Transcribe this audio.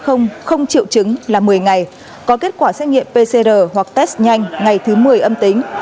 trường hợp f không triệu chứng là một mươi ngày có kết quả xét nghiệm pcr hoặc test nhanh ngày thứ một mươi âm tính